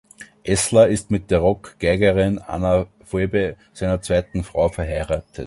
Esler ist mit der Rock-Geigerin Anna Phoebe, seiner zweiten Frau, verheiratet.